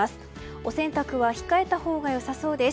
お洗濯は控えたほうがよさそうです。